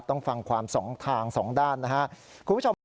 ต้องฟังความทางสองด้านนะครับ